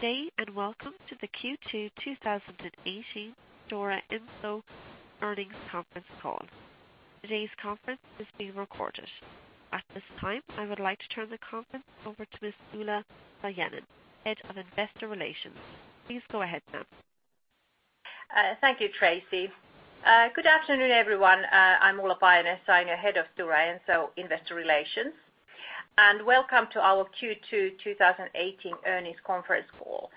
Good day. Welcome to the Q2 2018 Stora Enso Earnings Conference Call. Today's conference is being recorded. At this time, I would like to turn the conference over to Ulla Paajanen, Head of Investor Relations. Please go ahead, ma'am. Thank you, Tracy. Good afternoon, everyone. I'm Ulla Paajanen, Head of Stora Enso Investor Relations. Welcome to our Q2 2018 Earnings Conference Call.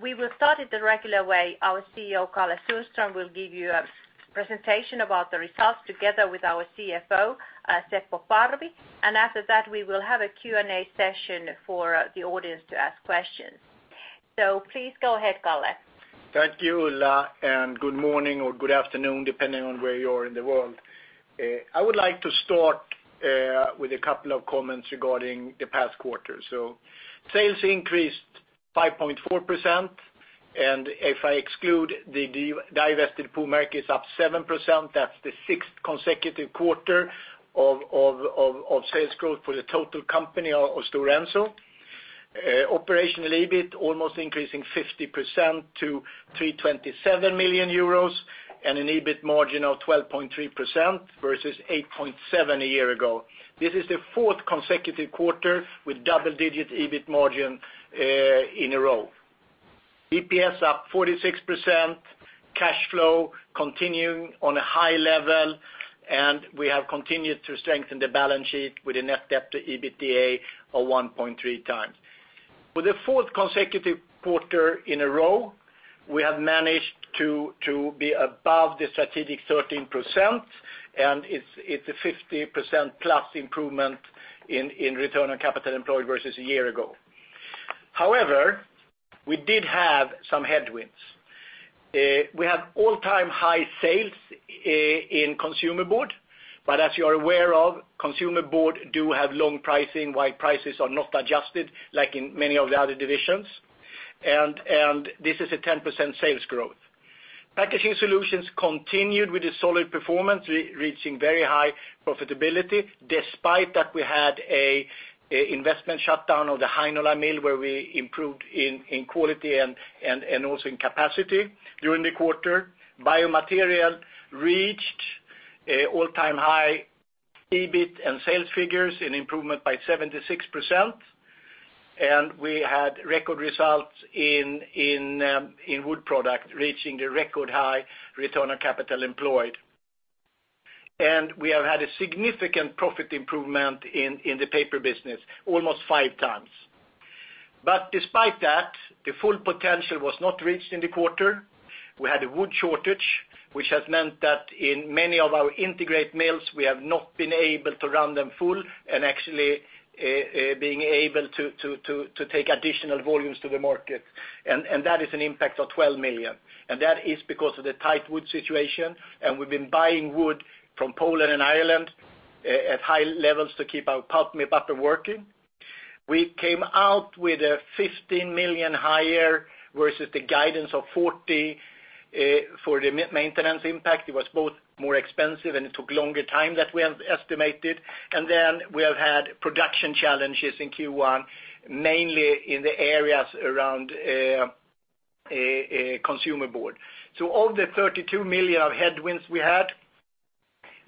We will start it the regular way. Our CEO, Karl-Henrik Sundström, will give you a presentation about the results together with our CFO, Seppo Parvi. After that, we will have a Q&A session for the audience to ask questions. Please go ahead, Kalle. Thank you, Ulla. Good morning or good afternoon, depending on where you are in the world. I would like to start with a couple of comments regarding the past quarter. Sales increased 5.4%, and if I exclude the divested pulp markets, up 7%, that's the sixth consecutive quarter of sales growth for the total company of Stora Enso. Operational EBIT almost increasing 50% to 327 million euros and an EBIT margin of 12.3% versus 8.7% a year ago. This is the fourth consecutive quarter with double-digit EBIT margin in a row. EPS up 46%, cash flow continuing on a high level, and we have continued to strengthen the balance sheet with a net debt to EBITDA of 1.3 times. For the fourth consecutive quarter in a row, we have managed to be above the strategic 13%, and it's a 50%-plus improvement in return on capital employed versus a year ago. However, we did have some headwinds. We have all-time high sales in consumer board, but as you are aware of, consumer board do have long pricing, why prices are not adjusted like in many of the other divisions. This is a 10% sales growth. Packaging solutions continued with a solid performance, reaching very high profitability, despite that we had an investment shutdown of the Heinola mill where we improved in quality and also in capacity during the quarter. Biomaterial reached all-time high EBIT and sales figures, an improvement by 76%. We had record results in Wood Product, reaching the record-high return on capital employed. We have had a significant profit improvement in the paper business, almost five times. Despite that, the full potential was not reached in the quarter. We had a wood shortage, which has meant that in many of our integrated mills, we have not been able to run them full and actually being able to take additional volumes to the market. That is an impact of 12 million. That is because of the tight wood situation, and we've been buying wood from Poland and Ireland at high levels to keep our pulp mill up and working. We came out with a 15 million higher, versus the guidance of 40 for the maintenance impact. It was both more expensive, and it took longer time that we have estimated. We have had production challenges in Q1, mainly in the areas around consumer board. Of the 32 million of headwinds we had,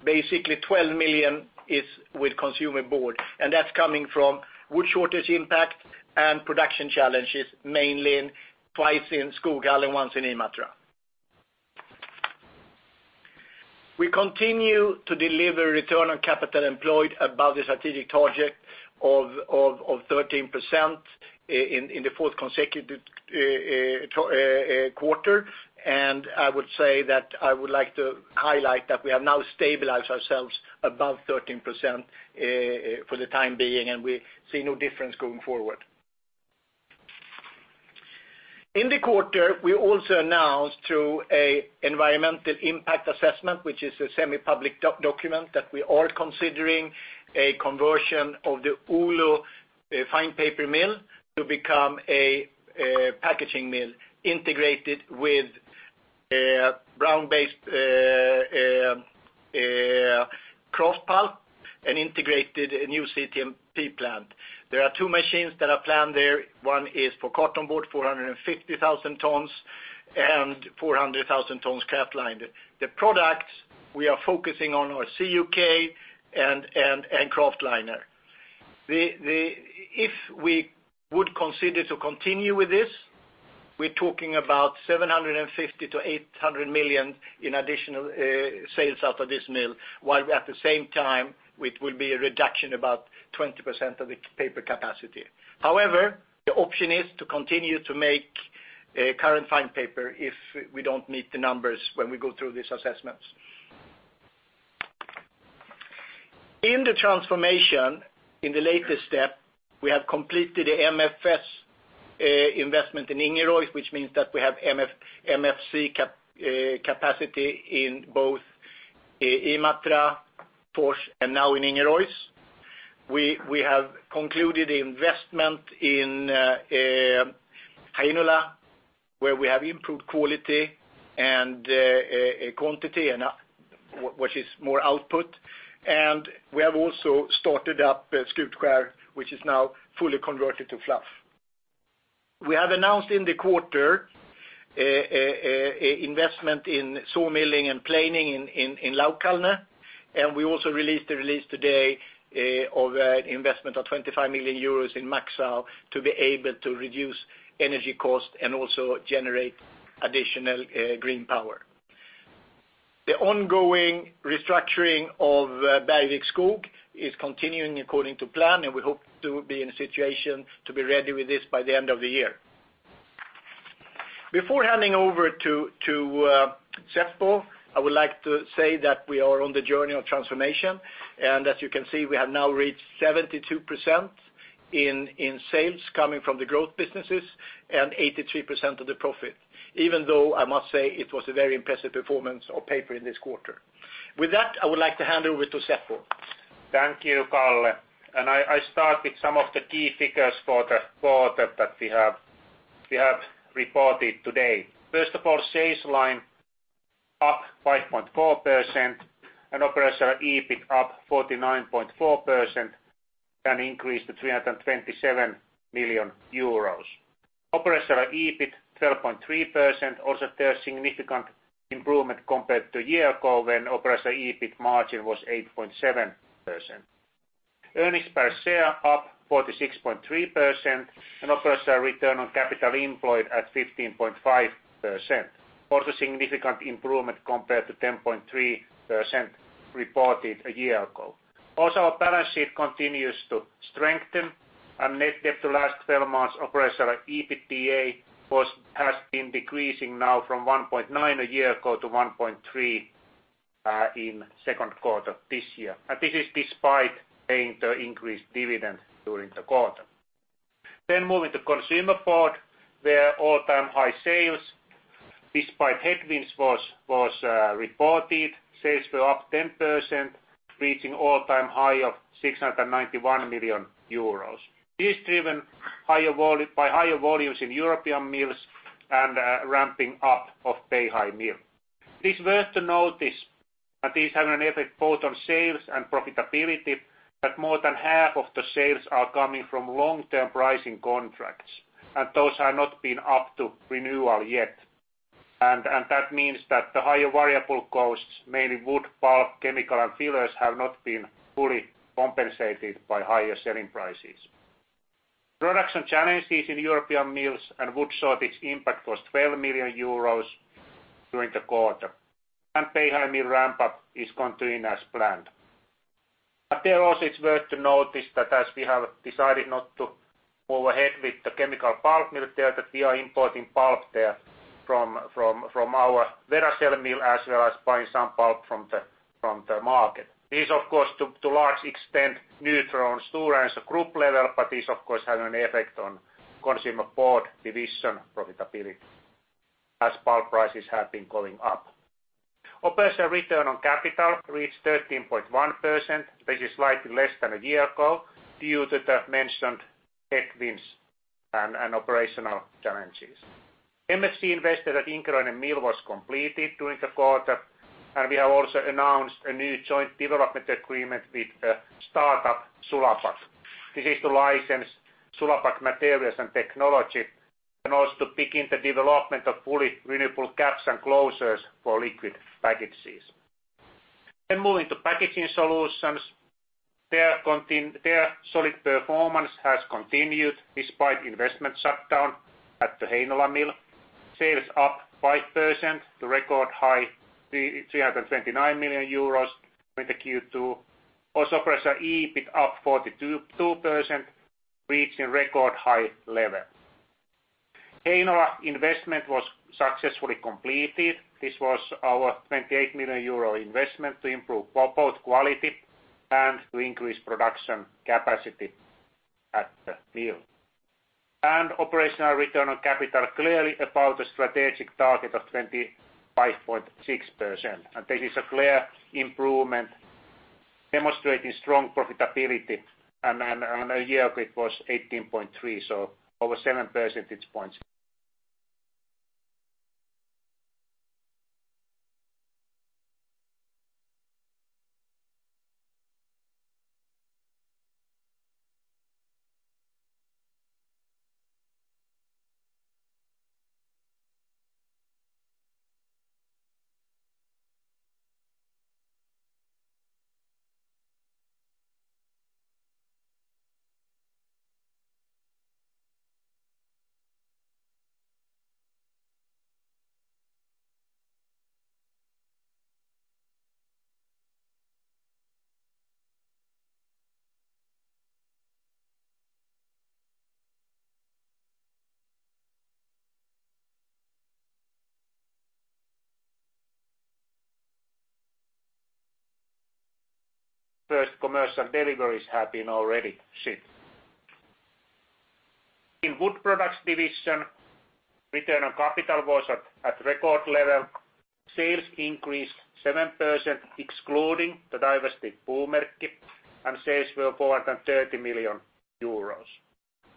basically 12 million is with consumer board, and that's coming from wood shortage impact and production challenges, mainly twice in Skoghall and once in Imatra. We continue to deliver return on capital employed above the strategic target of 13% in the fourth consecutive quarter. I would say that I would like to highlight that we have now stabilized ourselves above 13% for the time being, and we see no difference going forward. In the quarter, we also announced through an environmental impact assessment, which is a semi-public document, that we are considering a conversion of the Oulu fine paper mill to become a packaging mill integrated with brown-based kraft pulp and integrated new CTMP plant. There are two machines that are planned there. One is for cartonboard, 450,000 tons, and 400,000 tons kraftliner. The products we are focusing on are CUK and kraftliner. If we would consider to continue with this, we're talking about 750 million to 800 million in additional sales out of this mill, while at the same time it will be a reduction about 20% of the paper capacity. However, the option is to continue to make current fine paper if we don't meet the numbers when we go through these assessments. In the transformation, in the latest step, we have completed the MFS investment in Ingerois, which means that we have MFC capacity in both Imatra, Fors, and now in Ingerois. We have concluded the investment in Heinola where we have improved quality and quantity, which is more output. We have also started up Skutskär, which is now fully converted to fluff. We have announced in the quarter investment in sawmilling and planing in Laukaa. We also released a release today of investment of 25 million euros in Maxau to be able to reduce energy cost and also generate additional green power. The ongoing restructuring of Bergvik Skog is continuing according to plan, and we hope to be in a situation to be ready with this by the end of the year. Before handing over to Seppo, I would like to say that we are on the journey of transformation, as you can see, we have now reached 72% in sales coming from the growth businesses and 83% of the profit, even though I must say it was a very impressive performance of paper in this quarter. With that, I would like to hand over to Seppo. Thank you, Kalle. I start with some of the key figures for the quarter that we have reported today. First of all, sales line up 5.4% and operational EBIT up 49.4% and increased to EUR 327 million. Operational EBIT, 12.3%, also a significant improvement compared to a year ago when operational EBIT margin was 8.7%. Earnings per share up 46.3% and operational return on capital employed at 15.5%. Also significant improvement compared to 10.3% reported a year ago. Also, our balance sheet continues to strengthen, and net debt to last 12 months operational EBITDA has been decreasing now from 1.9 a year ago to 1.3 in second quarter this year. This is despite paying the increased dividend during the quarter. Moving to Consumer Board, where all-time high sales despite headwinds was reported. Sales were up 10%, reaching all-time high of 691 million euros. This is driven by higher volumes in European mills and ramping up of Beihai mill. It's worth to notice that these have an effect both on sales and profitability, that more than half of the sales are coming from long-term pricing contracts, and those have not been up to renewal yet. That means that the higher variable costs, mainly wood pulp, chemical, and fillers, have not been fully compensated by higher selling prices. Production challenges in European mills and wood shortage impact was 12 million euros during the quarter, and Beihai mill ramp-up is continuing as planned. There also it's worth to notice that as we have decided not to move ahead with the chemical pulp mill there, that we are importing pulp there from our Veracel mill, as well as buying some pulp from the market. This, of course, to large extent, neutral on Stora Enso group level, but this, of course, have an effect on Consumer Board division profitability as pulp prices have been going up. Operational return on capital reached 13.1%. This is slightly less than a year ago due to the mentioned headwinds and operational challenges. MFC investment at Ingerois mill was completed during the quarter, and we have also announced a new joint development agreement with a startup, Sulapac. This is to license Sulapac materials and technology, and also to begin the development of fully renewable caps and closures for liquid packages. Moving to Packaging Solutions. Their solid performance has continued despite investment shutdown at the Heinola mill. Sales up 5% to record high, 329 million euros during the Q2. Also, operational EBIT up 42%, reaching record high level. Heinola investment was successfully completed. This was our 28 million euro investment to improve both quality and to increase production capacity at the mill. Operational return on capital clearly above the strategic target of 25.6%. This is a clear improvement demonstrating strong profitability, and a year ago it was 18.3, so over seven percentage points. First commercial deliveries have been already shipped. In Wood Products division, return on capital was at record level. Sales increased 7%, excluding the divested Puumerkki, and sales were 430 million euros.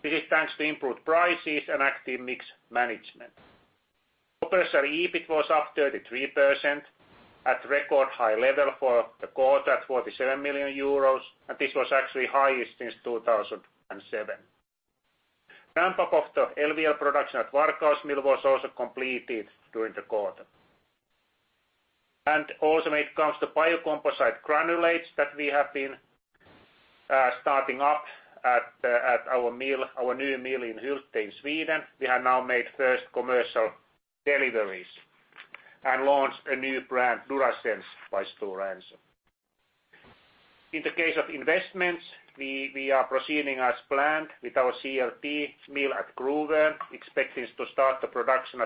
This is thanks to improved prices and active mix management. Operational EBIT was up 33% at record high level for the quarter at 47 million euros, and this was actually highest since 2007. Ramp-up of the LVL production at Varkaus mill was also completed during the quarter. Also, when it comes to biocomposite granules that we have been starting up at our new mill in Hylte in Sweden, we have now made first commercial deliveries and launched a new brand, DuraSense by Stora Enso. In the case of investments, we are proceeding as planned with our CLT mill at Gruvön, expecting to start the production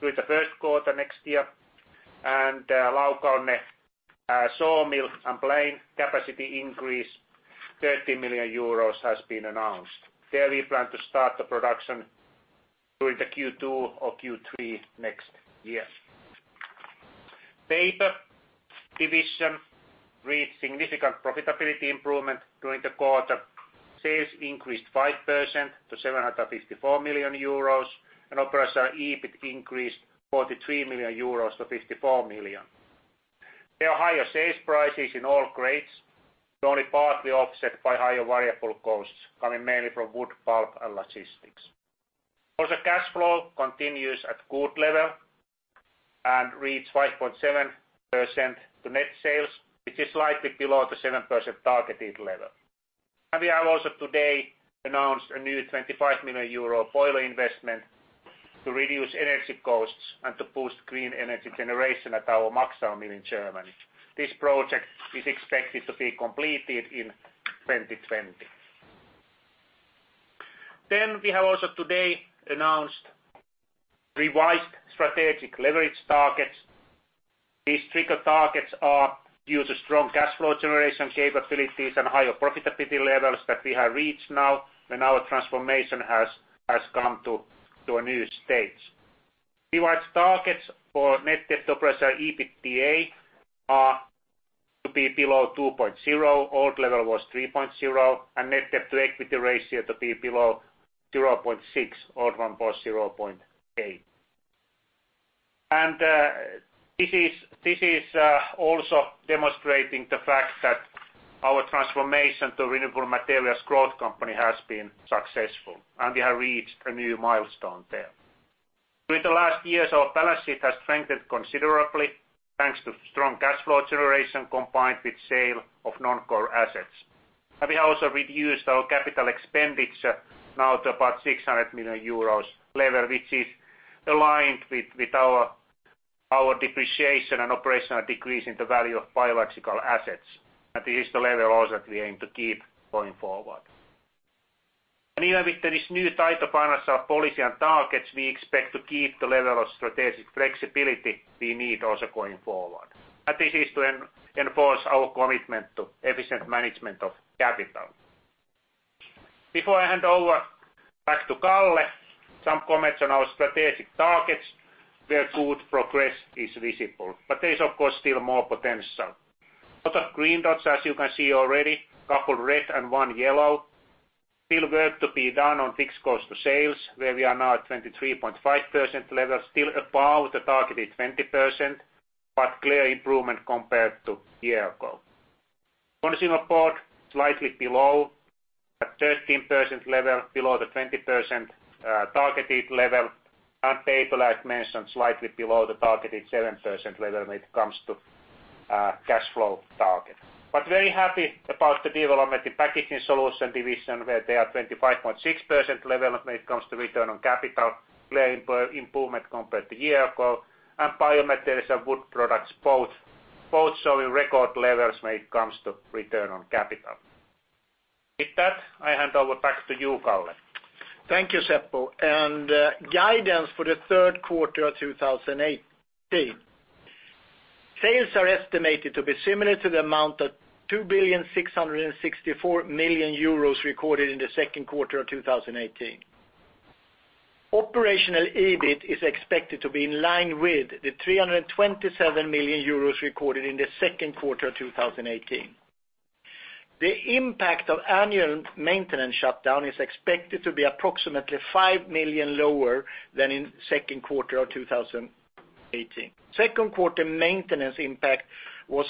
during the first quarter next year, and Laukaa sawmill and plane capacity increase, 30 million euros has been announced. There we plan to start the production during the Q2 or Q3 next year. Paper division reached significant profitability improvement during the quarter. Sales increased 5% to 754 million euros, and operational EBIT increased 43 million euros to 54 million. There are higher sales prices in all grades, only partly offset by higher variable costs coming mainly from wood pulp and logistics. Also, cash flow continues at good level and reached 5.7% to net sales, which is slightly below the 7% targeted level. We have also today announced a new 25 million euro boiler investment to reduce energy costs and to boost green energy generation at our Maxau mill in Germany. This project is expected to be completed in 2020. Then we have also today announced revised strategic leverage targets. These trigger targets are due to strong cash flow generation capabilities and higher profitability levels that we have reached now when our transformation has come to a new stage. Revised targets for net debt to operational EBITDA are to be below 2.0, old level was 3.0, and net debt to equity ratio to be below 0.6, old one was 0.8. This is also demonstrating the fact that our transformation to renewable materials growth company has been successful, and we have reached a new milestone there. During the last years, our balance sheet has strengthened considerably, thanks to strong cash flow generation combined with sale of non-core assets. We have also reduced our capital expenditure now to about 600 million euros level, which is aligned with our depreciation and operational decrease in the value of biological assets. This is the level also we aim to keep going forward. Even with this new tight financial policy and targets, we expect to keep the level of strategic flexibility we need also going forward. This is to enforce our commitment to efficient management of capital. Before I hand over back to Kalle, some comments on our strategic targets where good progress is visible, but there is, of course, still more potential. Lot of green dots, as you can see already, couple red and one yellow. Still work to be done on fixed cost of sales, where we are now at 23.5% level, still above the targeted 20%, but clear improvement compared to a year ago. Consumer board slightly below, at 13% level below the 20% targeted level, and paper, as mentioned, slightly below the targeted 7% level when it comes to cash flow target. But very happy about the development in Packaging Solutions division, where they are 25.6% level when it comes to return on capital, clear improvement compared to a year ago, and biomaterials and wood products both showing record levels when it comes to return on capital. With that, I hand over back to you, Kalle. Thank you, Seppo. Guidance for the third quarter of 2018. Sales are estimated to be similar to the amount of 2,664,000,000 euros recorded in the second quarter of 2018. Operational EBIT is expected to be in line with the 327 million euros recorded in the second quarter of 2018. The impact of annual maintenance shutdown is expected to be approximately 5 million lower than in second quarter of 2018. Second quarter maintenance impact was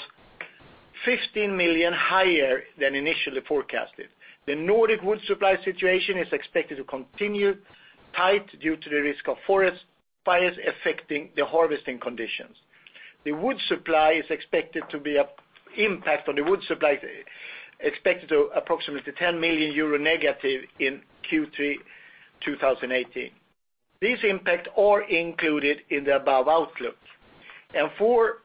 15 million higher than initially forecasted. The Nordic wood supply situation is expected to continue tight due to the risk of forest fires affecting the harvesting conditions. The impact on the wood supply is expected approximately 10 million euro negative in Q3 2018. These impact are included in the above outlook. For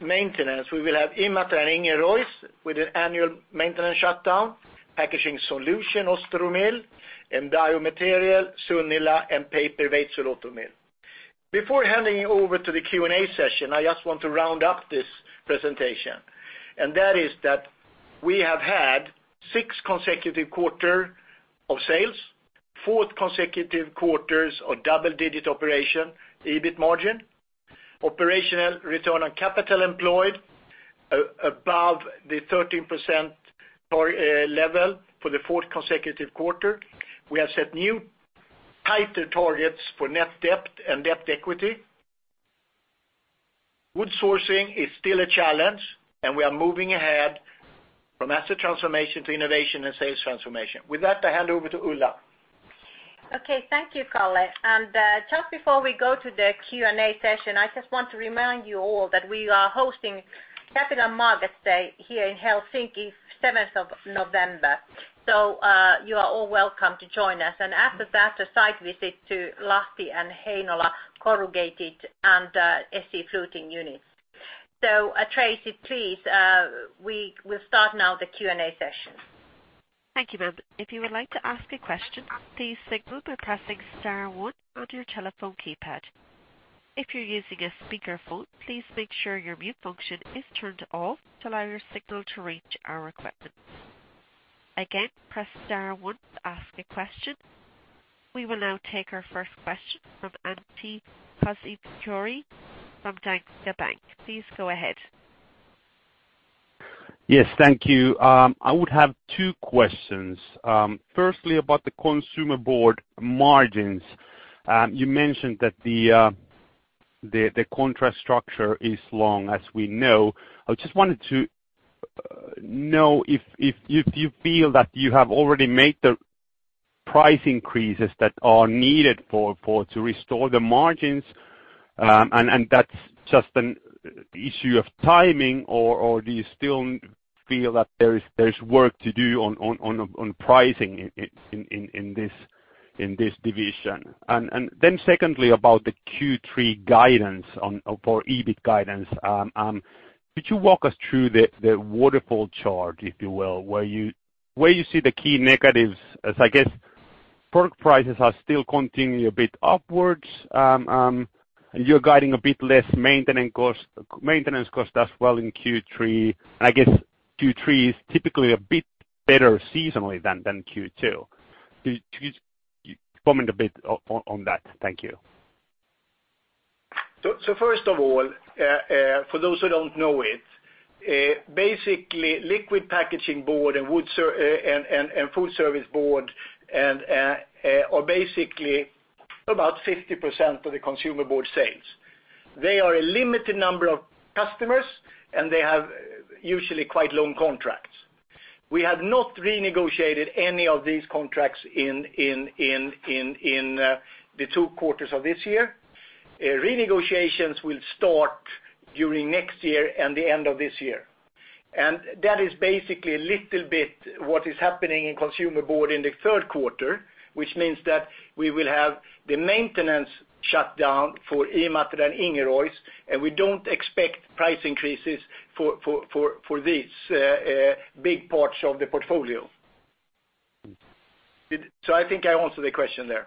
maintenance, we will have Imatra and Ingerois with an annual maintenance shutdown, Packaging Solution, Ostrołęka mill, and Biomaterial, Sunila, and Paper, Veitsiluoto mill. Before handing over to the Q&A session, I just want to round up this presentation, and that is that we have had six consecutive quarter of sales Fourth consecutive quarters of double-digit operation, EBIT margin, operational return on capital employed above the 13% level for the fourth consecutive quarter. We have set new tighter targets for net debt and debt equity. Wood sourcing is still a challenge, we are moving ahead from asset transformation to innovation and sales transformation. With that, I hand over to Ulla. Okay. Thank you, Kalle. Just before we go to the Q&A session, I just want to remind you all that we are hosting Capital Markets Day here in Helsinki, 7th of November. You are all welcome to join us. After that, a site visit to Lahti and Heinola Corrugated and AC fluting units. Tracy, please, we will start now the Q&A session. Thank you, ma'am. If you would like to ask a question, please signal by pressing star one on your telephone keypad. If you're using a speakerphone, please make sure your mute function is turned off to allow your signal to reach our equipment. Again, press star one to ask a question. We will now take our first question from Antti Paasivirta from Danske Bank. Please go ahead. Yes. Thank you. I would have two questions. Firstly, about the consumer board margins. You mentioned that the contract structure is long, as we know. I just wanted to know if you feel that you have already made the price increases that are needed to restore the margins, and that's just an issue of timing, or do you still feel that there is work to do on pricing in this division? Secondly, about the Q3 guidance for EBIT guidance. Could you walk us through the waterfall chart, if you will, where you see the key negatives, as I guess pulp prices are still continuing a bit upwards, and you're guiding a bit less maintenance cost as well in Q3, and I guess Q3 is typically a bit better seasonally than Q2. Could you comment a bit on that? Thank you. First of all, for those who don't know it, basically liquid packaging board and food service board are basically about 50% of the consumer board sales. They are a limited number of customers, and they have usually quite long contracts. We have not renegotiated any of these contracts in the two quarters of this year. Renegotiations will start during next year and the end of this year. That is basically a little bit what is happening in consumer board in the third quarter, which means that we will have the maintenance shutdown for Imatra and Ingerois, and we don't expect price increases for these big parts of the portfolio. I think I answered the question there.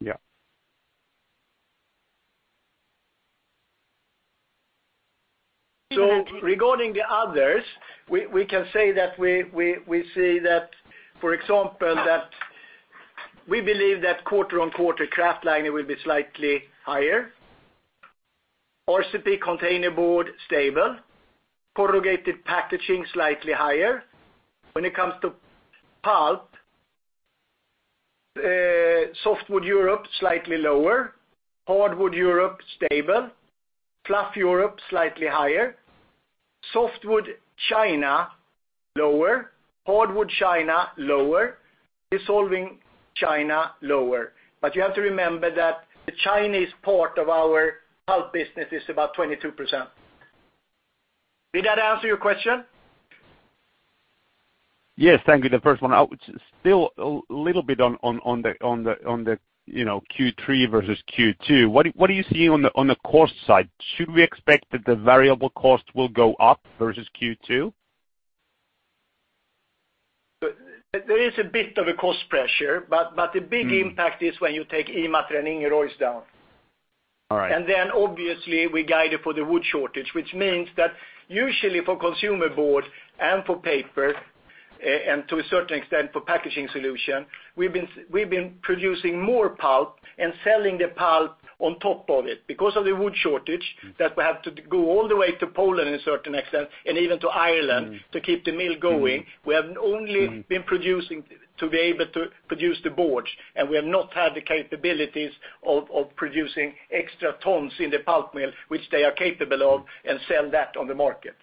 Yeah. Regarding the others, we can say that we see that, for example, that we believe that quarter-on-quarter kraftliner will be slightly higher. RCP containerboard, stable. Corrugated packaging, slightly higher. When it comes to pulp, softwood Europe, slightly lower; hardwood Europe, stable; fluff Europe, slightly higher; softwood China, lower; hardwood China, lower; dissolving China, lower. You have to remember that the Chinese part of our pulp business is about 22%. Did that answer your question? Yes. Thank you. The first one, still a little bit on the Q3 versus Q2. What are you seeing on the cost side? Should we expect that the variable cost will go up versus Q2? There is a bit of a cost pressure, but the big impact. It is when you take Imatra and Ingerois down. All right. Obviously, we guided for the wood shortage, which means that usually for consumer board and for paper, and to a certain extent for packaging solution, we've been producing more pulp and selling the pulp on top of it. Because of the wood shortage, that we have to go all the way to Poland in a certain extent and even to Ireland to keep the mill going. We have only been producing to be able to produce the boards, and we have not had the capabilities of producing extra tons in the pulp mill, which they are capable of, and sell that on the market.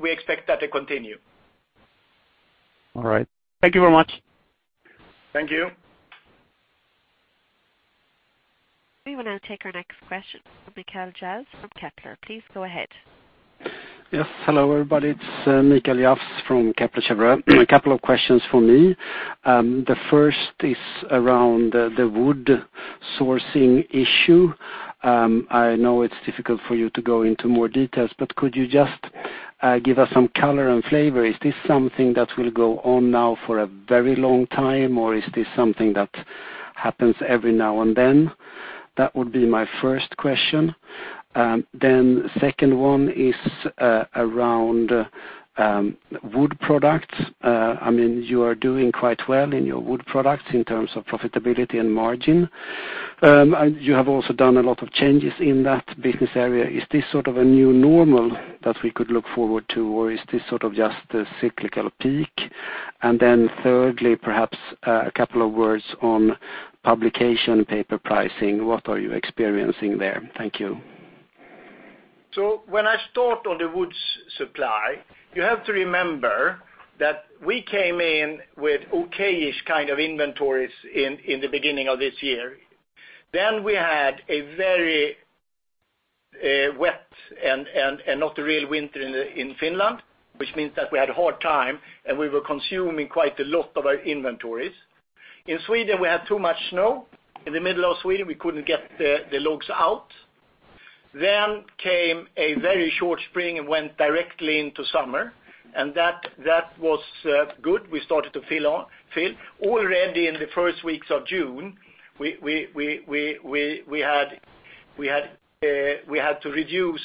We expect that to continue. All right. Thank you very much. Thank you. We will now take our next question from Mikael Jafs from Kepler. Please go ahead. Yes. Hello, everybody. It's Mikael Jafs from Kepler Cheuvreux. A couple of questions for me. The first is around the wood sourcing issue. I know it's difficult for you to go into more details, but could you just give us some color and flavor? Is this something that will go on now for a very long time, or is this something that happens every now and then? That would be my first question. Second one is around wood products. You are doing quite well in your wood products in terms of profitability and margin. You have also done a lot of changes in that business area. Is this sort of a new normal that we could look forward to, or is this just a cyclical peak? Thirdly, perhaps, a couple of words on publication paper pricing. What are you experiencing there? Thank you. When I start on the woods supply, you have to remember that we came in with okay-ish inventories in the beginning of this year. We had a very wet and not a real winter in Finland, which means that we had a hard time, and we were consuming quite a lot of our inventories. In Sweden, we had too much snow. In the middle of Sweden, we couldn't get the logs out. Came a very short spring and went directly into summer, and that was good. We started to fill. Already in the first weeks of June, we had to reduce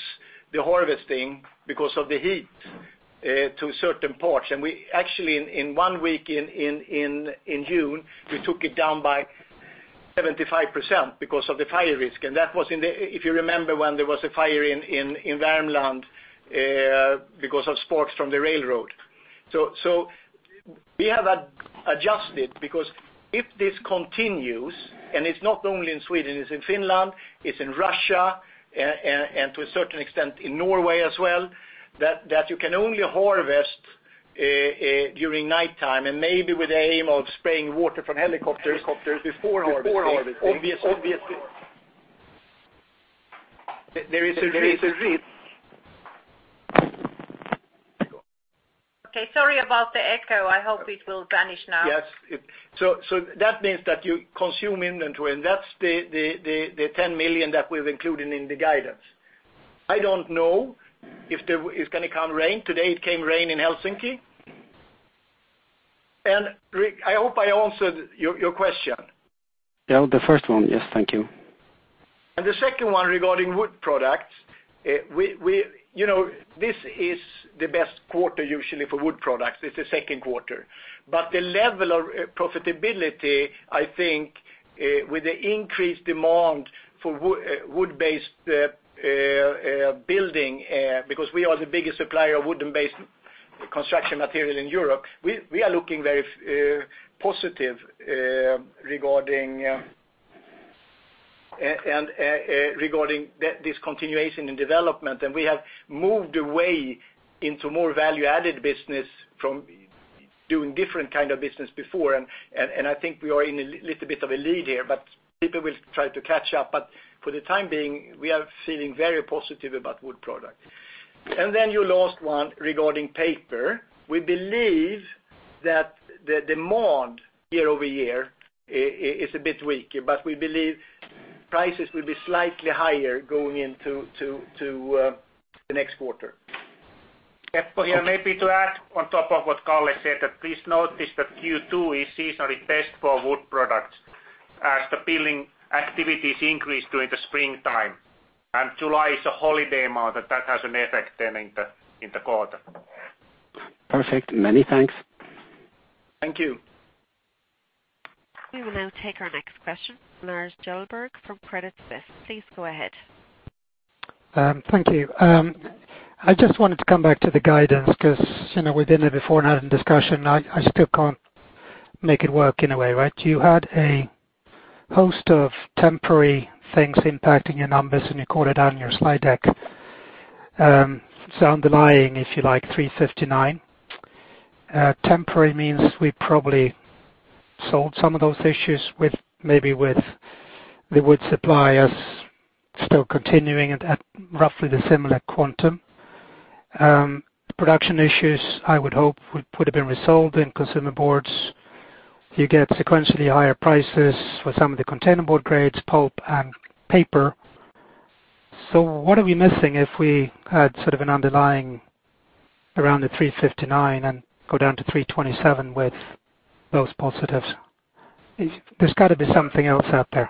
the harvesting because of the heat to a certain portion. Actually, in one week in June, we took it down by 75% because of the fire risk, and that was, if you remember, when there was a fire in Värmland because of sparks from the railroad. We have adjusted, because if this continues, and it's not only in Sweden, it's in Finland, it's in Russia, and to a certain extent, in Norway as well, that you can only harvest during nighttime and maybe with the aim of spraying water from helicopters before harvesting. Obviously, there is a risk. Okay, sorry about the echo. I hope it will vanish now. Yes. That means that you consume inventory, and that's the 10 million that we've included in the guidance. I don't know if there is going to come rain. Today it came rain in Helsinki. Rick, I hope I answered your question. Yeah, the first one. Yes, thank you. The second one regarding wood products. This is the best quarter usually for wood products. It's the second quarter. The level of profitability, I think, with the increased demand for wood-based building, because we are the biggest supplier of wooden-based construction material in Europe, we are looking very positive regarding this continuation in development. We have moved away into more value-added business from doing different kind of business before. I think we are in a little bit of a lead here, but people will try to catch up. For the time being, we are feeling very positive about wood product. Your last one regarding paper. We believe that the demand year-over-year is a bit weak, but we believe prices will be slightly higher going into the next quarter. Eppu here. Maybe to add on top of what Kalle said, that please notice that Q2 is seasonally best for wood products as the building activities increase during the springtime. July is a holiday month, and that has an effect then in the quarter. Perfect. Many thanks. Thank you. We will now take our next question. Lars Kjellberg from Credit Suisse. Please go ahead. Thank you. I just wanted to come back to the guidance because within the beforehand discussion, I still can't make it work in a way, right? You had a host of temporary things impacting your numbers, and you call it out in your slide deck. Underlying, if you like, 359. Temporary means we probably solved some of those issues maybe with the wood suppliers still continuing at roughly the similar quantum. Production issues, I would hope, would have been resolved in consumer boards. You get sequentially higher prices for some of the container board grades, pulp, and paper. What are we missing if we had sort of an underlying around 359 and go down to 327 with those positives? There's got to be something else out there.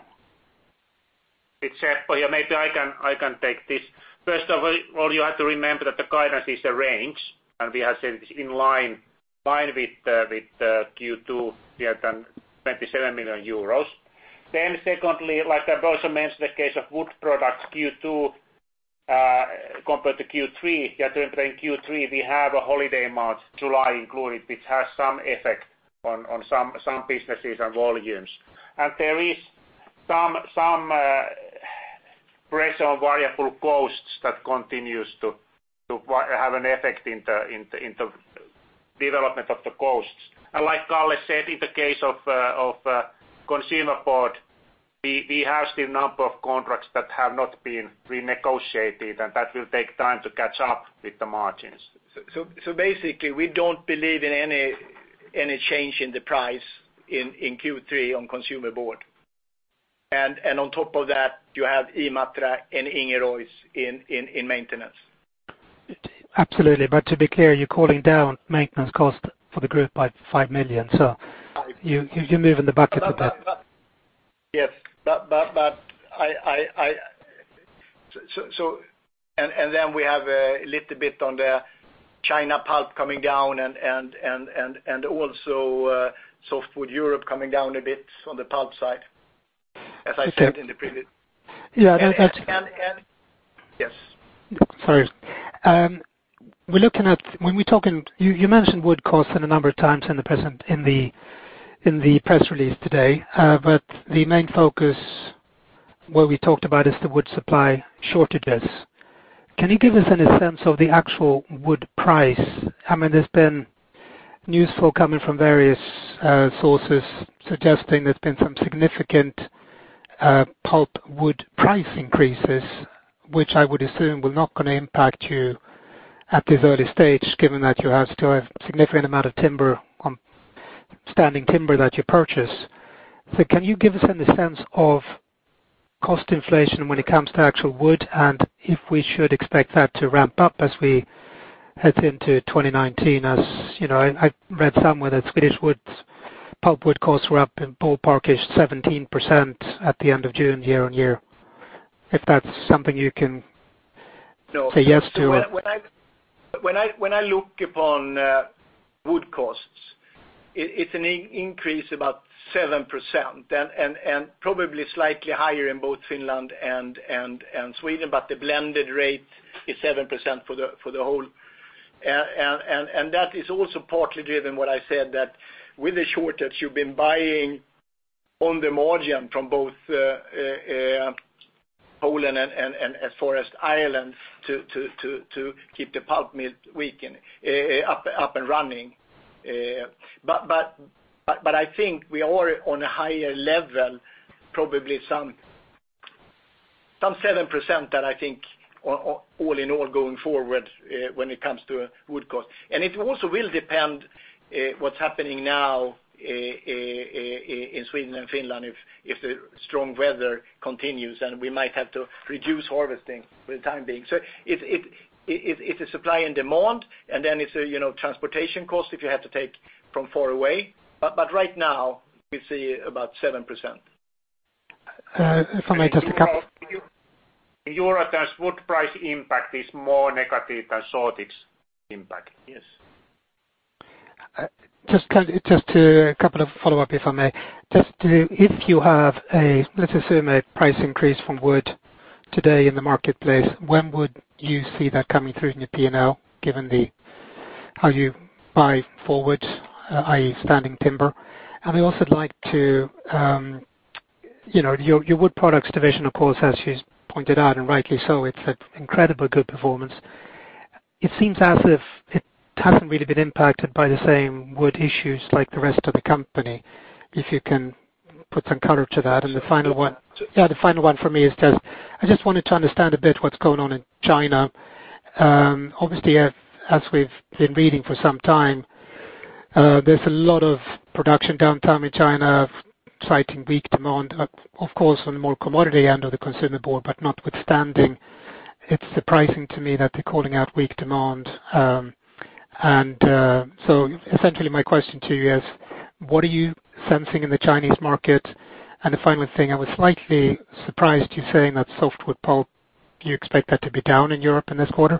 It's Seppo here. Maybe I can take this. First of all, you have to remember that the guidance is a range, and we are in line with Q2, we have done 27 million euros. Secondly, like I've also mentioned the case of wood products Q2 compared to Q3. During Q3, we have a holiday month, July included, which has some effect on some businesses and volumes. There is some pressure on variable costs that continues to have an effect in the development of the costs. Like Kalle said, in the case of consumer board, we have still a number of contracts that have not been renegotiated, and that will take time to catch up with the margins. Basically, we don't believe in any change in the price in Q3 on consumer board. On top of that, you have Imatra and Ingerois in maintenance. Absolutely. To be clear, you're calling down maintenance cost for the group by 5 million. You're moving the bucket a bit. Yes. Then we have a little bit on the China pulp coming down and also Softwood Europe coming down a bit on the pulp side, as I said in the preview. Yeah. Yes. Sorry. You mentioned wood costs a number of times in the press release today. The main focus, what we talked about, is the wood supply shortages. Can you give us any sense of the actual wood price? There's been news flow coming from various sources suggesting there's been some significant pulp wood price increases, which I would assume were not going to impact you at this early stage, given that you have still a significant amount of standing timber that you purchase. Can you give us any sense of cost inflation when it comes to actual wood and if we should expect that to ramp up as we head into 2019? I read somewhere that Swedish pulp wood costs were up in ballpark-ish 17% at the end of June year-on-year. If that's something you can say yes to. When I look upon wood costs, it's an increase about 7% and probably slightly higher in both Finland and Sweden, but the blended rate is 7% for the whole. That is also partly driven what I said, that with the shortage, you've been buying on the margin from both Poland and forest islands to keep the pulp mill up and running. I think we are on a higher level, probably some 7% that I think all in all going forward when it comes to wood cost. It also will depend what's happening now in Sweden and Finland, if the strong weather continues, and we might have to reduce harvesting for the time being. It's a supply and demand, then it's transportation cost if you have to take from far away. Right now, we see about 7%. If I may. In EUR terms, wood price impact is more negative than saw logs impact. Yes. Just a couple of follow-up, if I may. If you have, let's assume, a price increase from wood today in the marketplace, when would you see that coming through in your P&L, given how you buy forward, i.e., standing timber? I also like Your wood products division, of course, as you pointed out, and rightly so, it's an incredibly good performance. It seems as if it hasn't really been impacted by the same wood issues like the rest of the company. If you can put some color to that. The final one for me is just, I just wanted to understand a bit what's going on in China. Obviously, as we've been reading for some time, there's a lot of production downtime in China, citing weak demand, of course, on the more commodity end of the consumer board, but notwithstanding, it's surprising to me that they're calling out weak demand. Essentially my question to you is, what are you sensing in the Chinese market? The final thing, I was slightly surprised you saying that softwood pulp, you expect that to be down in Europe in this quarter.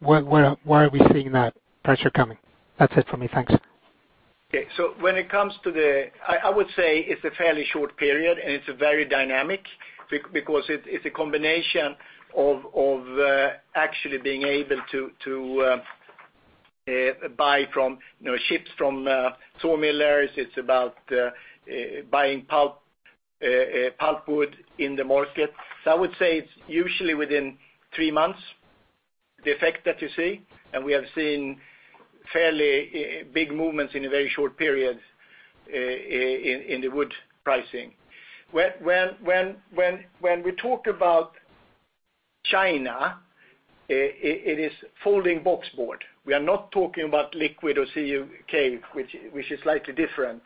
Where are we seeing that pressure coming? That's it for me. Thanks. I would say it's a fairly short period, and it's very dynamic because it's a combination of actually being able to buy from ships from saw millers, it's about buying pulp wood in the market. I would say it's usually within three months, the effect that you see, and we have seen fairly big movements in a very short period in the wood pricing. When we talk about China, it is folding boxboard. We are not talking about liquid or CUK, which is slightly different.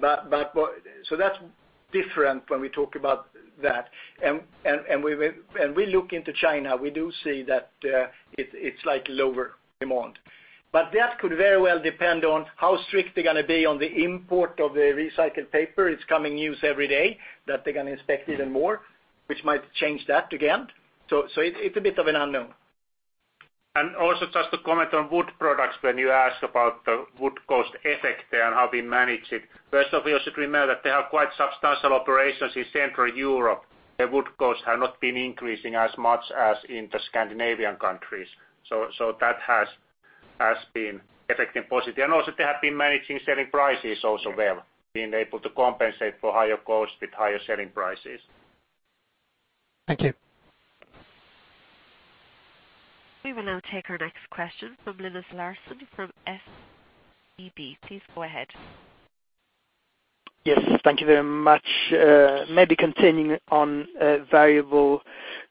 That's different when we talk about that. When we look into China, we do see that it's slightly lower demand. That could very well depend on how strict they're going to be on the import of the recycled paper. It's coming news every day that they're going to inspect even more, which might change that again. It's a bit of an unknown. Also just to comment on wood products, when you ask about the wood cost effect there and how we manage it. First of all, you should remember that they have quite substantial operations in Central Europe. The wood costs have not been increasing as much as in the Scandinavian countries. That has been affecting positive. Also they have been managing selling prices also well, being able to compensate for higher costs with higher selling prices. Thank you. We will now take our next question from Linus Larsson from SEB. Please go ahead. Yes, thank you very much. Maybe continuing on variable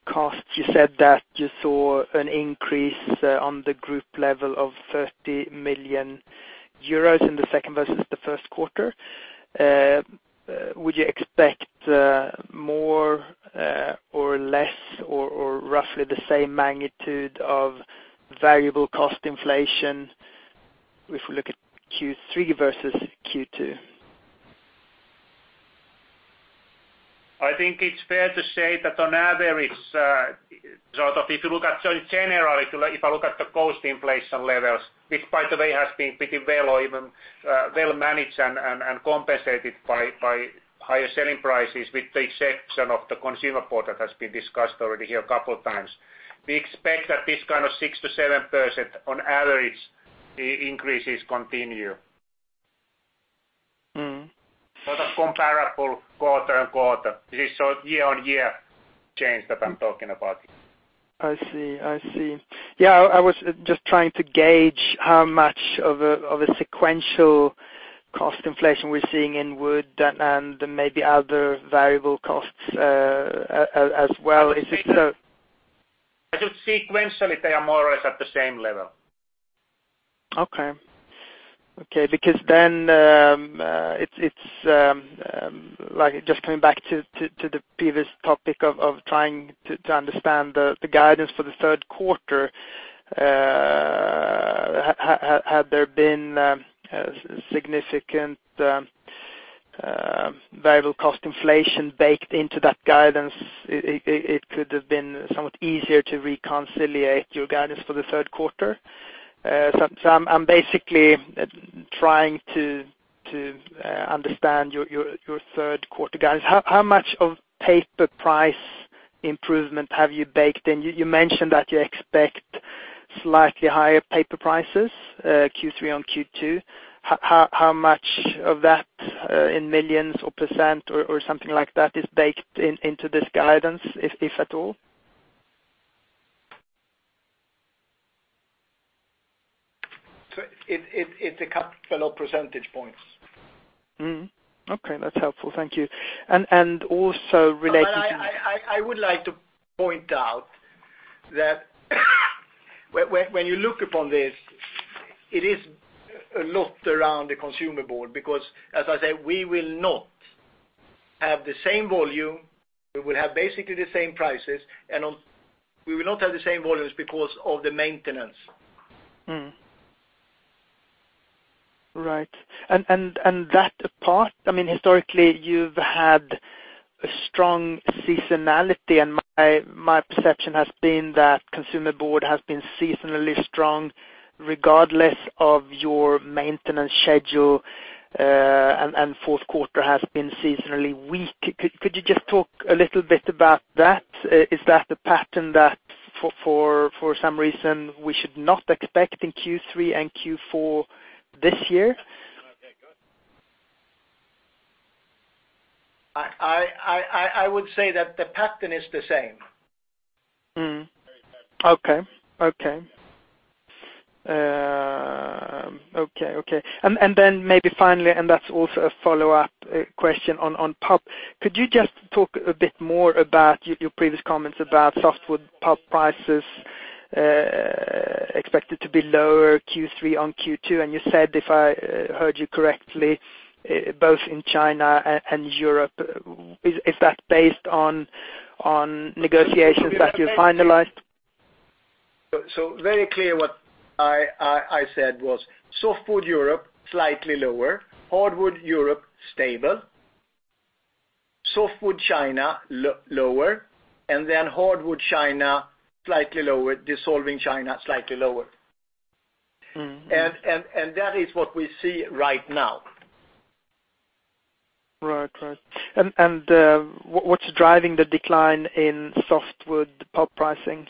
costs, you said that you saw an increase on the group level of 30 million euros in the second versus the first quarter. Would you expect more or less or roughly the same magnitude of variable cost inflation if we look at Q3 versus Q2? I think it's fair to say that on average, if you look at generally, if I look at the cost inflation levels, which by the way, has been pretty well or even well-managed and compensated by higher selling prices, with the exception of the consumer board that has been discussed already here a couple of times. We expect that this kind of 6%-7% on average increases continue. Sort of comparable quarter-on-quarter. This is year-on-year change that I'm talking about. I see. I was just trying to gauge how much of a sequential cost inflation we're seeing in wood and maybe other variable costs as well. I think sequentially they are more or less at the same level. Okay. Just coming back to the previous topic of trying to understand the guidance for the third quarter. Had there been significant variable cost inflation baked into that guidance, it could have been somewhat easier to reconcile your guidance for the third quarter. I'm basically trying to understand your third quarter guidance. How much of paper price improvement have you baked in? You mentioned that you expect slightly higher paper prices, Q3 on Q2. How much of that in millions or % or something like that is baked into this guidance, if at all? It's a couple of percentage points. Okay, that's helpful. Thank you. I would like to point out that when you look upon this, it is a lot around the consumer board, because, as I said, we will not have the same volume. We will have basically the same prices, and we will not have the same volumes because of the maintenance. Right. That apart, historically, you've had a strong seasonality, and my perception has been that consumer board has been seasonally strong, regardless of your maintenance schedule, and fourth quarter has been seasonally weak. Could you just talk a little bit about that? Is that a pattern that for some reason we should not expect in Q3 and Q4 this year? I would say that the pattern is the same. Okay. Maybe finally, that's also a follow-up question on pulp. Could you just talk a bit more about your previous comments about softwood pulp prices expected to be lower Q3 on Q2? You said, if I heard you correctly, both in China and Europe. Is that based on negotiations that you finalized? Very clear what I said was softwood Europe, slightly lower. Hardwood Europe, stable. Softwood China, lower. Hardwood China, slightly lower. Dissolving China, slightly lower. That is what we see right now. Right. What is driving the decline in softwood pulp pricing?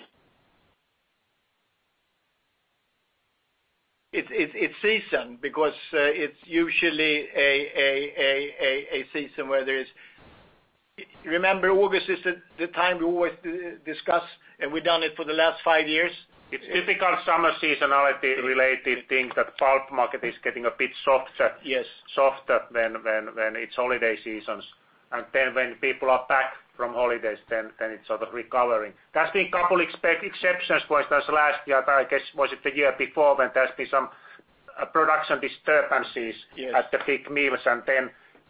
It is season, because it is usually a season where. You remember August is the time we always discuss, and we have done it for the last five years. It is typical summer seasonality related thing that pulp market is getting a bit. Yes softer when it is holiday seasons. When people are back from holidays, then it is sort of recovering. There has been a couple exceptions, for instance, last year, I guess, was it the year before when there has been some production disturbances. Yes At the big mills.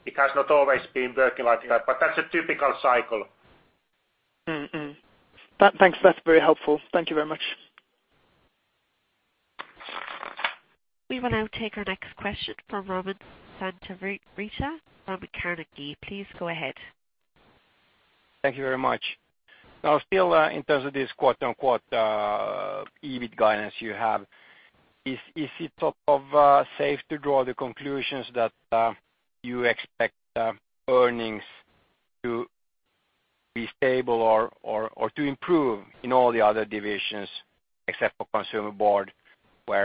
It has not always been working like that, but that is a typical cycle. Thanks, that's very helpful. Thank you very much. We will now take our next question from Robin Santavirta of Carnegie. Please go ahead. Thank you very much. Now still in terms of this quote-unquote, EBIT guidance you have. Is it sort of safe to draw the conclusions that you expect earnings to be stable or to improve in all the other divisions except for consumer board. We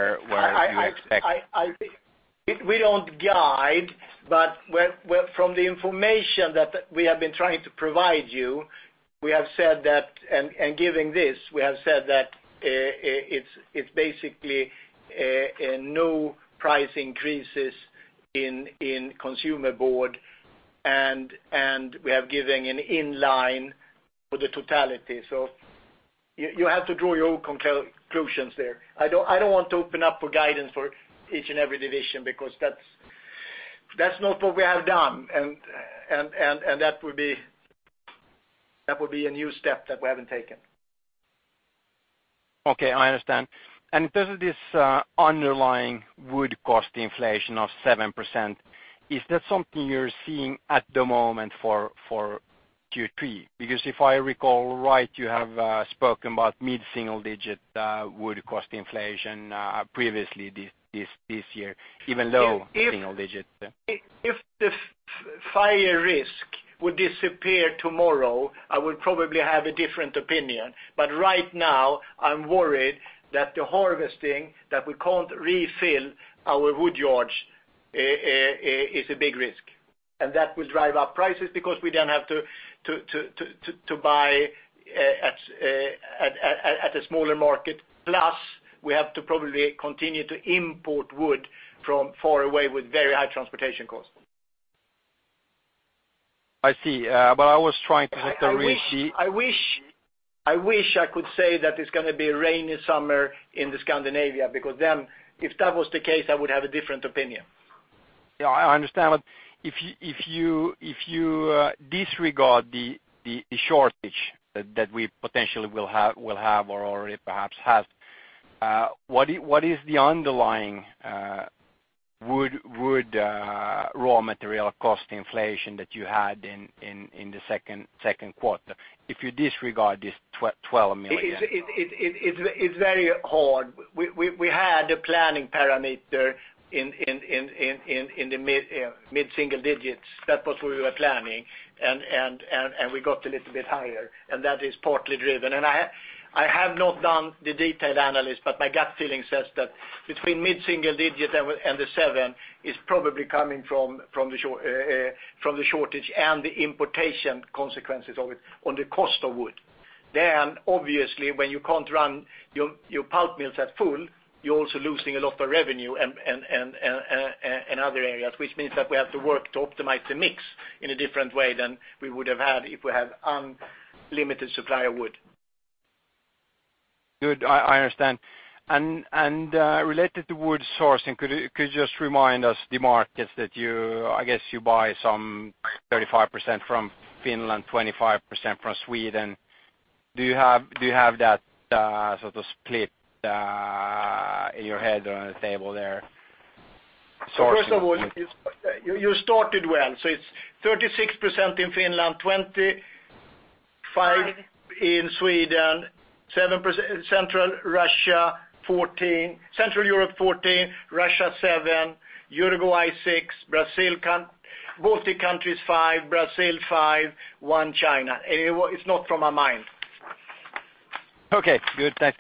don't guide, but from the information that we have been trying to provide you, and giving this, we have said that it's basically no price increases in consumer board, and we have given an inline for the totality. You have to draw your own conclusions there. I don't want to open up for guidance for each and every division, because that's not what we have done, and that would be a new step that we haven't taken. Okay, I understand. Does this underlying wood cost inflation of 7%, is that something you're seeing at the moment for Q3? If I recall right, you have spoken about mid-single digit wood cost inflation previously this year, even low single digits. If the fire risk would disappear tomorrow, I would probably have a different opinion. Right now, I'm worried that the harvesting, that we can't refill our wood yards is a big risk. That will drive up prices because we then have to buy at a smaller market. Plus, we have to probably continue to import wood from far away with very high transportation costs. I see. I wish I could say that it's going to be a rainy summer in Scandinavia, because then if that was the case, I would have a different opinion. Yeah, I understand. If you disregard the shortage that we potentially will have or already perhaps have, what is the underlying wood raw material cost inflation that you had in the second quarter, if you disregard this 12 million? It is very hard. We had a planning parameter in the mid-single digits. That was where we were planning. We got a little bit higher, and that is partly driven. I have not done the detailed analysis, but my gut feeling says that between mid-single digit and the seven, it is probably coming from the shortage and the importation consequences of it on the cost of wood. Obviously, when you cannot run your pulp mills at full, you are also losing a lot of revenue in other areas, which means that we have to work to optimize the mix in a different way than we would have had if we had unlimited supply of wood. Good. I understand. Related to wood sourcing, could you just remind us the markets that you I guess you buy some 35% from Finland, 25% from Sweden. Do you have that split in your head or on a table there? First of all, you started well. It's 36% in Finland, 25% in Sweden, 7% Central Russia, Central Europe 14%, Russia 7%, Uruguay 6%, Baltic countries 5%, Brazil 5%, 1% China. It's not from my mind. Okay, good, thanks.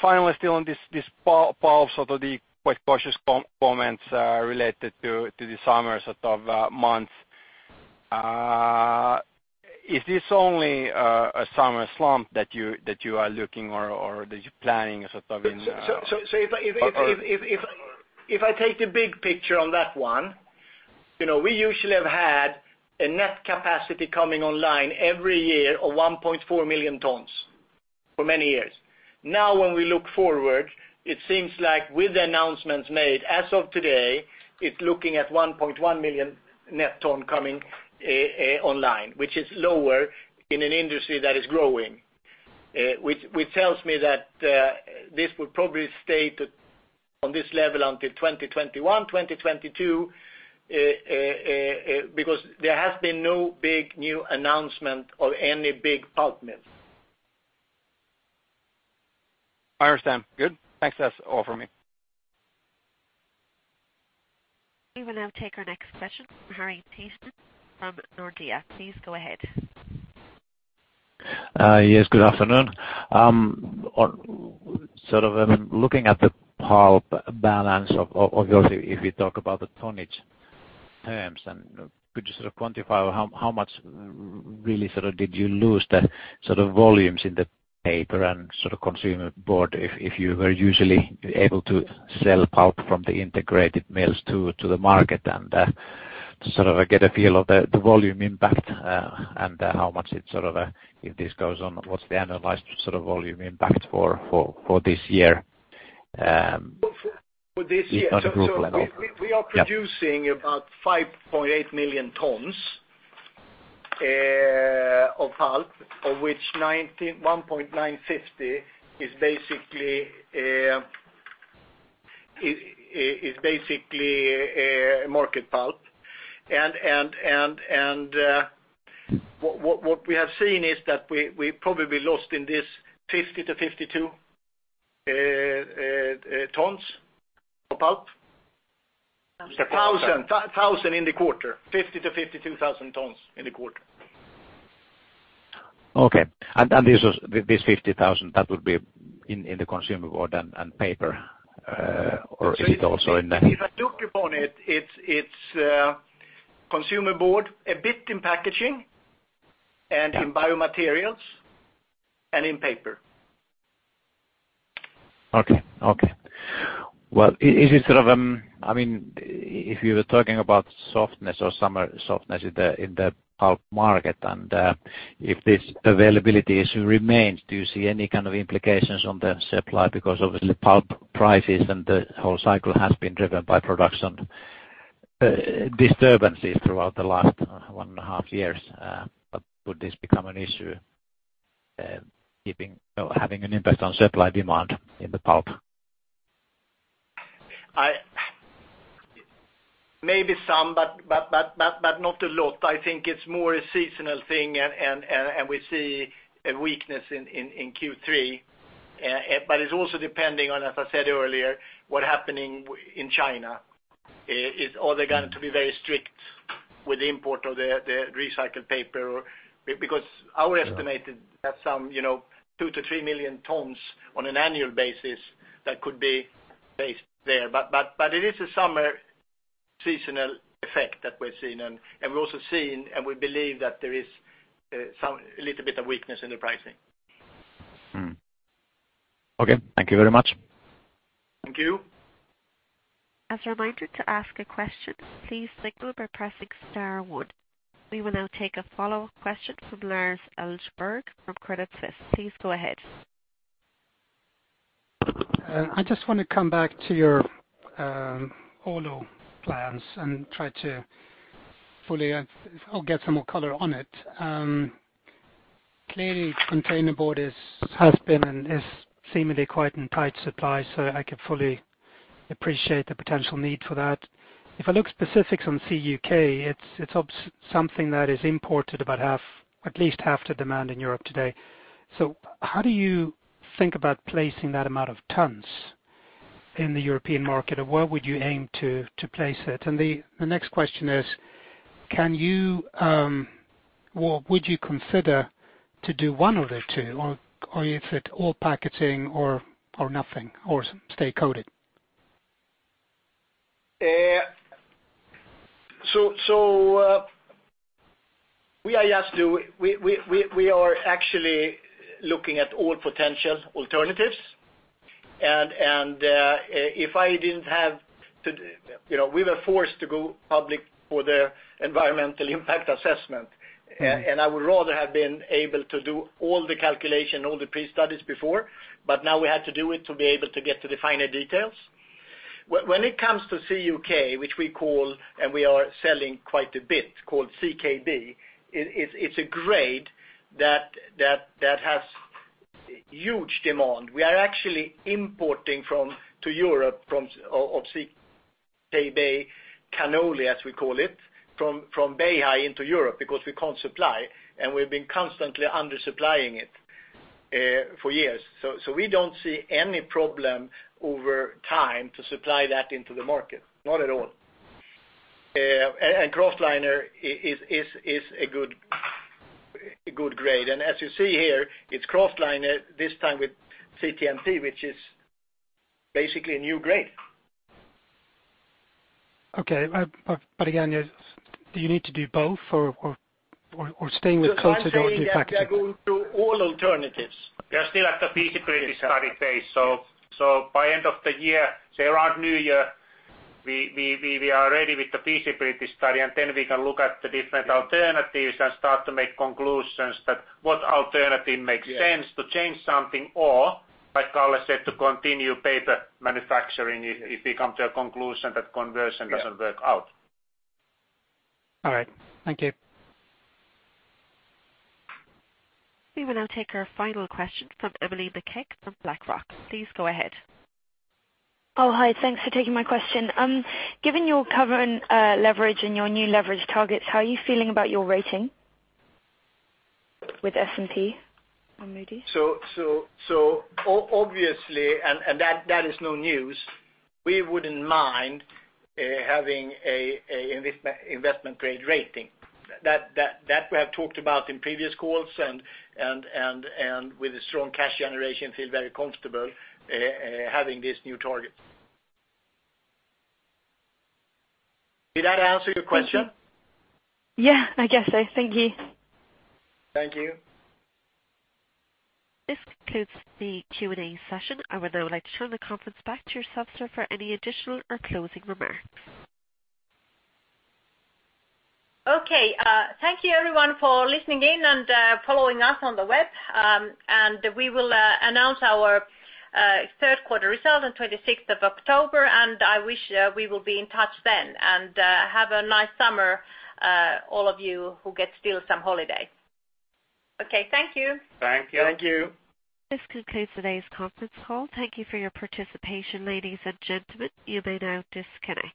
Finally, still on this pulp, the quite cautious comments related to the summer months. Is this only a summer slump that you are looking or that you're planning? If I take the big picture on that one, we usually have had a net capacity coming online every year of 1.4 million tons for many years. Now when we look forward, it seems like with the announcements made as of today, it's looking at 1.1 million net tons coming online, which is lower in an industry that is growing, which tells me that this would probably stay on this level until 2021, 2022, because there has been no big new announcement of any big pulp mill. I understand. Good. Thanks. That's all for me. We will now take our next question from Harri Tiittanen from Nordea. Please go ahead. Yes, good afternoon. Looking at the pulp balance of If you talk about the tonnage terms, could you quantify or how much really did you lose the volumes in the paper and consumer board, if you were usually able to sell pulp from the integrated mills to the market? To get a feel of the volume impact, if this goes on, what's the annualized volume impact for this year? For this year- If not a full year, no. Yeah We are producing about 5.8 million tons of pulp, of which 1,950,000 is basically market pulp. What we have seen is that we probably lost in this 50,000-52,000 tons of pulp in the quarter. Okay. This 50,000, that would be in the consumer board and paper or is it also in the- If I took upon it's consumer board, a bit in packaging and in biomaterials, and in paper. Okay. If you were talking about softness or summer softness in the pulp market, if this availability issue remains, do you see any kind of implications on the supply? Obviously pulp prices and the whole cycle has been driven by production disturbances throughout the last one and a half years. Would this become an issue having an impact on supply demand in the pulp? Maybe some, but not a lot. I think it's more a seasonal thing. We see a weakness in Q3. It's also depending on, as I said earlier, what happening in China. Are they going to be very strict with the import of their recycled paper? Because our estimated at some 2 million-3 million tons on an annual basis, that could be based there. It is a summer seasonal effect that we're seeing. We're also seeing, and we believe that there is a little bit of weakness in the pricing. Okay. Thank you very much. Thank you. As a reminder to ask a question, please signal by pressing star one. We will now take a follow-up question from Lars Kjellberg from Credit Suisse. Please go ahead. I just want to come back to your Oulu plans and try to fully, I will get some more color on it. Clearly, containerboard has been and is seemingly quite in tight supply, I can fully appreciate the potential need for that. If I look specifics on CUK, it's something that is imported about at least half the demand in Europe today. How do you think about placing that amount of tons in the European market, and where would you aim to place it? The next question is, would you consider to do one of the two, or is it all packaging or nothing, or stay coated? We are actually looking at all potential alternatives, we were forced to go public for the environmental impact assessment. I would rather have been able to do all the calculation, all the pre-studies before, now we had to do it to be able to get to the finer details. When it comes to CUK, which we call, and we are selling quite a bit, called CKB, it's a grade that has huge demand. We are actually importing to Europe of CKB Carrara, as we call it, from Beihai into Europe because we can't supply, and we've been constantly under-supplying it for years. We don't see any problem over time to supply that into the market. Not at all. Kraftliner is a good grade. As you see here, it's kraftliner this time with CTMP, which is basically a new grade. Okay. Again, do you need to do both or staying with coated or do packaging? We are going through all alternatives. We are still at the feasibility study phase. By end of the year, say around New Year, we are ready with the feasibility study, and then we can look at the different alternatives and start to make conclusions that what alternative makes sense to change something or, like Kalle said, to continue paper manufacturing if we come to a conclusion that conversion doesn't work out. All right. Thank you. We will now take our final question from Emily Bubeck from BlackRock. Please go ahead. Oh, hi. Thanks for taking my question. Given your current leverage and your new leverage targets, how are you feeling about your rating with S&P or Moody's? Obviously, and that is no news, we wouldn't mind having a investment grade rating. That we have talked about in previous calls and with a strong cash generation, feel very comfortable having this new target. Did that answer your question? Thank you. Yeah, I guess so. Thank you. Thank you. This concludes the Q&A session. I would now like to turn the conference back to you, Ulla, for any additional or closing remarks. Okay. Thank you everyone for listening in and following us on the web. We will announce our third quarter results on 26th of October. I wish we will be in touch then. Have a nice summer all of you who get still some holiday. Okay. Thank you. Thank you. Thank you. This concludes today's conference call. Thank you for your participation, ladies and gentlemen. You may now disconnect.